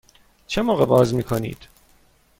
چه موقع باز می کنید؟